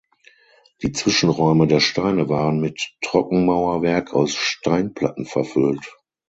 Die Zwischenräume der Steine waren mit Trockenmauerwerk aus Steinplatten verfüllt.